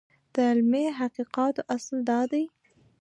د علمي تحقیقاتو اصل دا دی.